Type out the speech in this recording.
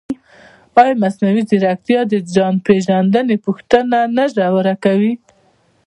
ایا مصنوعي ځیرکتیا د ځان پېژندنې پوښتنه نه ژوره کوي؟